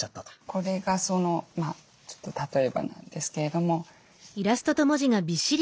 これがそのちょっと例えばなんですけれども。